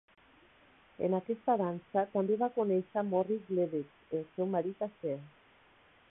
En aquesta dansa, també va conèixer Morris Ledet, el seu marit a ser.